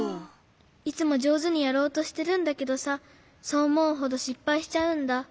いつもじょうずにやろうとしてるんだけどさそうおもうほどしっぱいしちゃうんだ。